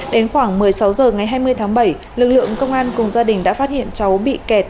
đến khoảng một mươi sáu h ngày hai mươi tháng bảy lực lượng công an cùng gia đình đã phát hiện cháu bị kẹt